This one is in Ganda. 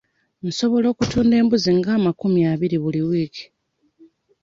Nsobola okutunda embuzi nga amakumi abiri buli wiiki.